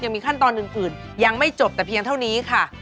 ยังมีขั้นตอนอื่นยังไม่จบแต่เพียงเท่านี้ค่ะ